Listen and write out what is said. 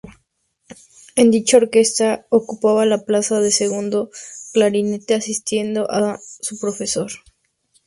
En dicha orquesta ocupaba la plaza de segundo clarinete asistiendo a su profesor.